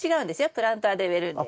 プランターで植えるんです。